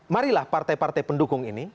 marilah partai partai pendukung ini